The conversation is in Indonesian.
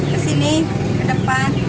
kesini ke depan